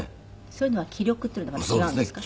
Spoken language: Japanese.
そういうのは気力というのとまた違うんですか？